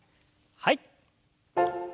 はい。